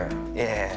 ええ。